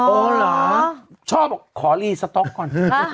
อ๋อเหรอชอบบอกขอรีสต๊อกก่อน